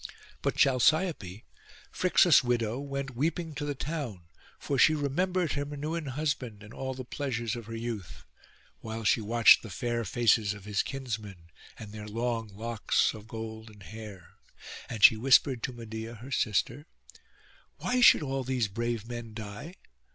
But Chalciope, Phrixus' widow, went weeping to the town; for she remembered her Minuan husband, and all the pleasures of her youth, while she watched the fair faces of his kinsmen, and their long locks of golden hair. And she whispered to Medeia her sister, 'Why should all these brave men die?